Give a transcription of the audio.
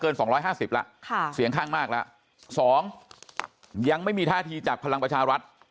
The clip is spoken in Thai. สองร้อยห้าสิบแล้วค่ะเสียงข้างมากแล้วสองยังไม่มีท่าทีจากพลังประชารัฐ